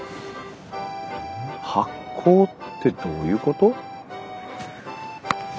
発酵ってどういうこと？